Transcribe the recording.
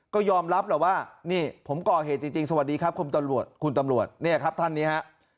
ก็ยอมรับแหละว่านี่ผมก่อเหตุจริงสวัสดีครับคุณตำรวจคุณตำรวจเนี่ยครับท่านนี้ฮะ